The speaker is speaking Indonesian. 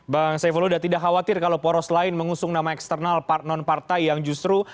bang saifullah sudah tidak khawatir kalau poros lain mengusung nama eksternal non partai yang justru